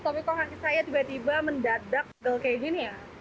tapi kok kaki saya tiba tiba mendadak kayak gini ya